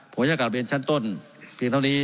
ผมจะกลับเรียนชั้นต้นเพียงเท่านี้